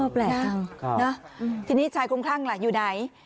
อ้อแปลกนะนะทีนี้ชายคลุมคลั่งล่ะอยู่ไหน